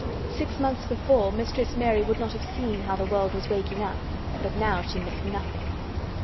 Six months before Mistress Mary would not have seen how the world was waking up, but now she missed nothing.